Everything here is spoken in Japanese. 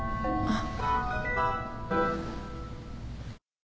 あっ。